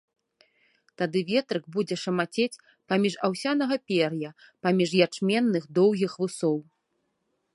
Тады ветрык будзе шамацець паміж аўсянага пер'я, паміж ячменных доўгіх вусоў.